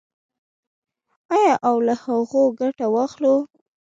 آیا او له هغو ګټه واخلو؟